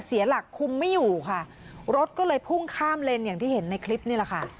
เสียหลักคุมไม่อยู่ค่ะรถก็เลยพุ่งข้ามเลนอย่างที่เห็นในคลิปนี่แหละค่ะ